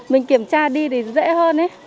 mình kiểm tra đi thì dễ hơn đấy